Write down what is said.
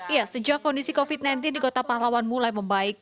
ya sejak kondisi covid sembilan belas di kota pahlawan mulai membaik